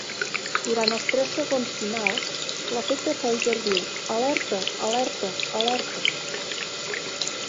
Durant els tres segons finals, l'efecte phaser diu "Alerta, alerta, alerta".